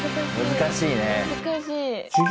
難しいね。